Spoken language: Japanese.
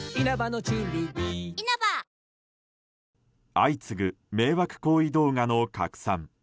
相次ぐ迷惑行為動画の拡散。